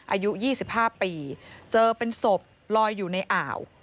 อายุ๒๕ปีเจอเป็นศพลอยอยู่ในอ่าว